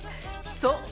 そう。